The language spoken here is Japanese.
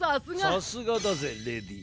さすがだぜレディー。